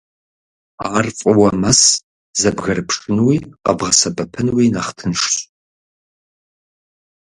Ар фӀыуэ мэс, зэбгрыпшынуи къэбгъэсэбэпынуи нэхъ тыншщ.